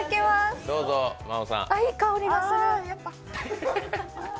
ああ、いい香りがする。